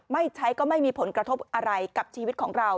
ไม่ใช้ก็ไม่มีผลกระทบอะไรกับชีวิตของเรา